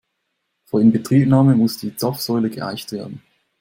Vor Inbetriebnahme muss die Zapfsäule geeicht werden.